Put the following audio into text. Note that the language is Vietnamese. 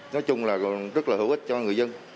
nói chung là rất là hữu ích cho người dân